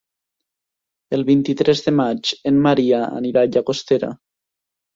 El vint-i-tres de maig en Maria anirà a Llagostera.